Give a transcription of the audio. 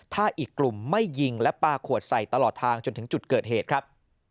ถ้าอีกกลุ่มไม่ยิงและปลาขวดใส่ตลอดทางจนถึงจุดเกิดเหตุครับ